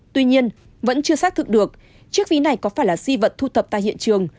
tuy nhiên vẫn chưa xác thực được chiếc ví này có phải là di vật thu thập tại hiện trường